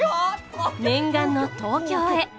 念願の東京へ。